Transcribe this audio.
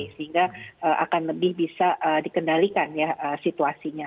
sehingga akan lebih bisa dikendalikan ya situasinya